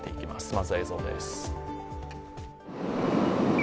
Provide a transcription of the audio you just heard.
まずは映像です。